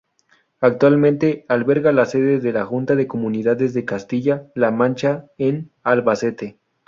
Actualmente alberga la sede de la Junta de Comunidades de Castilla-La Mancha en Albacete.